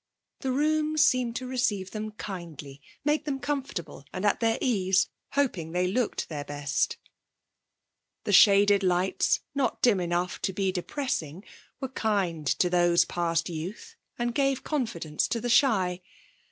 The room seemed to receive them kindly; make them comfortable, and at their ease, hoping they looked their best. The shaded lights, not dim enough to be depressing, were kind to those past youth and gave confidence to the shy.